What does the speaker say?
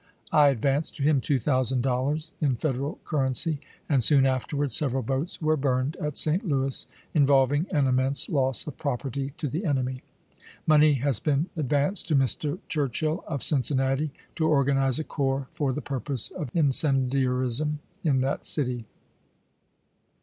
I advanced to him $2000 in Federal currency, and soon afterwards several boats were burned at St. Louis, involving an immense loss of property to the enemy. .. Money has been ad vanced to Mr. Churchill of Cincinnati to organize a corps for the purpose of incendiarism in that city.